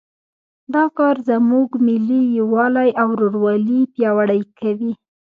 دا کار زموږ ملي یووالی او ورورولي پیاوړی کوي